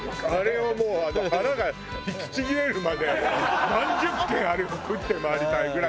もう腹が引きちぎれるまで何十軒あれを食って回りたいぐらい。